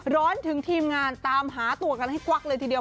ร้อนถึงทีมงานตามหาตัวกันให้กวักเลยทีเดียว